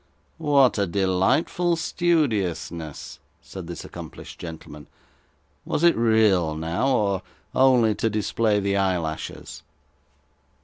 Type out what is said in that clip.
'What a delightful studiousness!' said this accomplished gentleman. 'Was it real, now, or only to display the eyelashes?